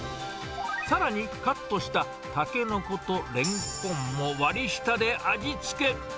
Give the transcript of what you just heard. さらに、カットしたタケノコとレンコンも割り下で味付け。